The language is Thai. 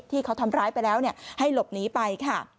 ที่เขาทำร้ายไปแล้วให้หลบหนีไปค่ะ